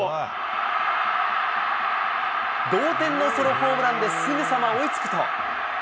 同点のソロホームランですぐさま追いつくと。